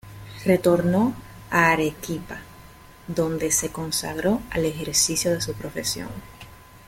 Retornó a Arequipa, donde se consagró al ejercicio de su profesión.